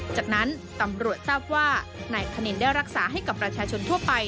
จากนั้นตำรวจทราบว่านายคณินได้รักษาให้กับประชาชนทั่วไป